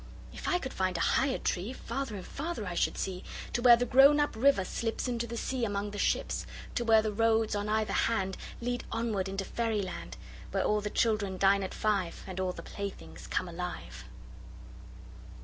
If I could find a higher treeFarther and farther I should see, To where the grown up river slipsInto the sea among the ships. To where the roads on either handLead onward into fairy land, Where all the children dine at five, And all the playthings come alive.